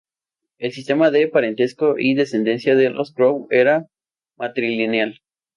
El sistema de parentesco y descendencia de los crow era matrilineal.